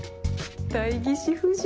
代議士夫人！